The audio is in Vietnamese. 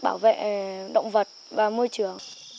bảo vệ động vật và môi trường